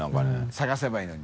探せばいいのに。